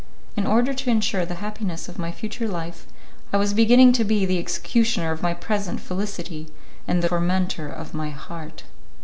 In order to insure the happiness of my future life, I was beginning to be the executioner of my present felicity, and the tormentor of my heart.